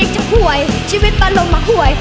แม่มันเจ็บจากห่วยชีวิตมันลงมาห่วย